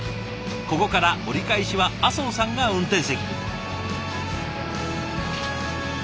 ここから折り返しは麻生さんが運転席に。